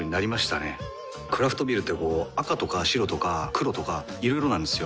クラフトビールってこう赤とか白とか黒とかいろいろなんですよ。